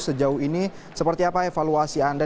sejauh ini seperti apa evaluasi anda